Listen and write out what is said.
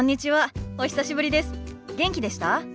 元気でした？